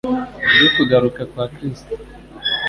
ibyo kugaruka kwa Kristo.